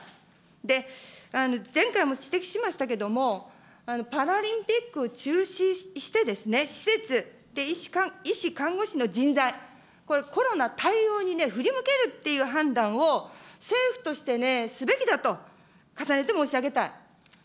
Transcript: で、前回も指摘しましたけれども、パラリンピックを中止して施設で医師、看護師の人材、これ、コロナ対応に振り向けるっていう判断を政府としてね、すべきだと、重ねて申し上げたい。